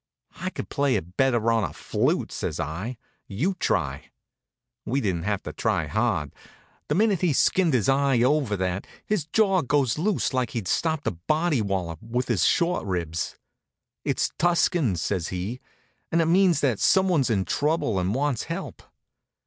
"I could play it better on a flute," says I. "You try." We didn't have to try hard. The minute he skinned his eye over that his jaw goes loose like he'd stopped a body wallop with his short ribs. "It's Tuscan," says he, "and it means that someone's in trouble and wants help."